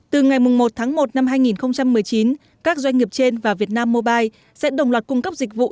từ ngày một tháng một năm hai nghìn một mươi chín các doanh nghiệp trên và việt nam mobile sẽ đồng loạt cung cấp dịch vụ